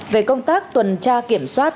về công tác tuần tra kiểm soát